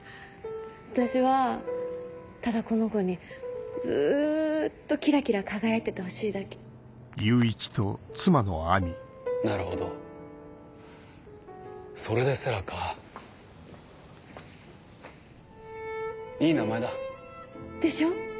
私はただこの子にずっとキラキラ輝いててほしいだけなるほどそれで「星来」かいい名前だでしょ？